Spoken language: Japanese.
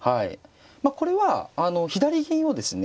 これは左銀をですね